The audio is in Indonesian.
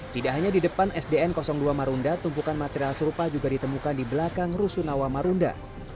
tidak hanya di depan sdn dua marunda tumpukan material serupa juga ditemukan di belakang rusunawa marunda